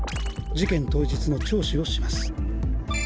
事件当日の聴取をします。